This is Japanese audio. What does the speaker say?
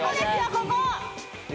ここ！